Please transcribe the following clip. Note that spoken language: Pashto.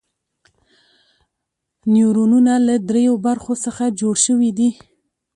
نیورونونه له دریو برخو څخه جوړ شوي دي.